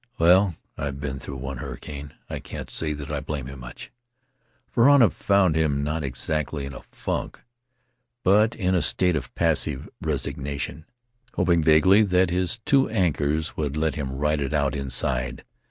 Well, I've been through one hurricane — I can't say that I blame him much! Varana found him not exactly in a funk, but in a state of passive resignation, hoping vaguely that his two anchors would let him ride it out inside.